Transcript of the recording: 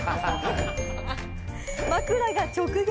枕が直撃。